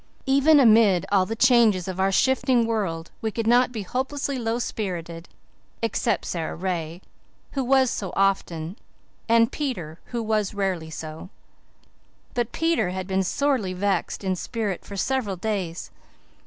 Even amid all the changes of our shifting world we could not be hopelessly low spirited except Sara Ray, who was often so, and Peter, who was rarely so. But Peter had been sorely vexed in spirit for several days.